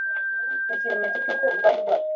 ni ikimenyetso cy'uko urwaye indwara